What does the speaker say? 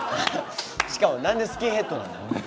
しかも何でスキンヘッドなの？